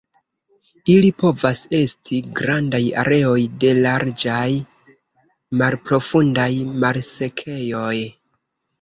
Ili povas esti grandaj areoj de larĝaj, malprofundaj malsekejoj.